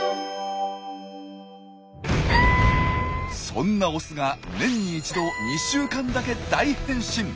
そんなオスが年に一度２週間だけ大変身！